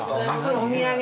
お土産。